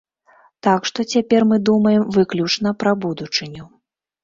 Так што, цяпер мы думаем выключна пра будучыню.